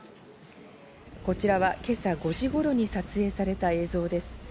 こちらは今朝、５時ごろに撮影された映像です。